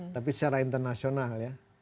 tapi secara internasional ya